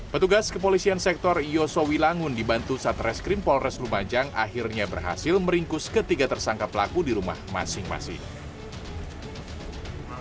petugas kepolisian sektor yosowi langun dibantu satreskrim polres lumajang akhirnya berhasil meringkus ketiga tersangka pelaku di rumah masing masing